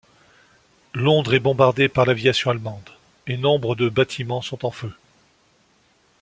Londres est bombardée par l'aviation allemande et nombre de bâtiments sont en feu.